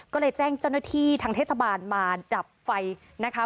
ก็เลยแจ้งเจ้าหน้าที่ทางเทศบาลมาดับไฟนะคะ